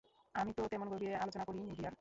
আমি তো তেমন গভীরে আলোচনা করিই নি, ডিয়ার।